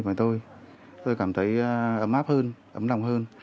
và tôi tôi cảm thấy ấm ấp hơn ấm lòng hơn